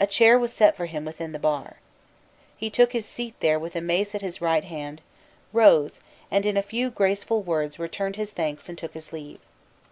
A chair was set for him within the bar. He took his seat there with the mace at his right hand, rose, and in a few graceful words returned his thanks and took his leave.